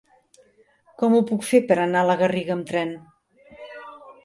Com ho puc fer per anar a la Garriga amb tren?